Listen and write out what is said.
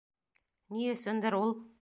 Ни өсөндөр, ул: